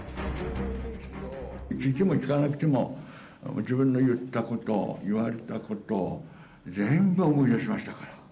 聞いても聞かなくても、自分が言ったこと、言われたこと、全部思い出しましたから。